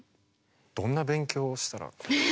どんな勉強をしたら。